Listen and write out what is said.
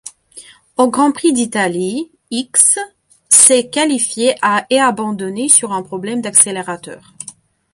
Au Grand Prix d'Italie, Ickx s'est qualifié et a abandonné sur un problème d'accélérateur.